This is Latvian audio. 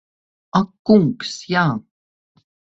Ak kungs, jā!